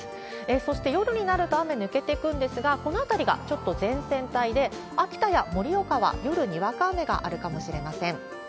そして、夜になると雨抜けていくんですが、この辺りがちょっと前線帯で、秋田や盛岡は夜、にわか雨があるかもしれません。